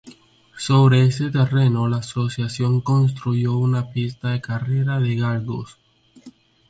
Sobre este terreno la asociación construyó una pista de carrera de galgos.